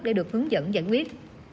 để được hướng dẫn giải quyết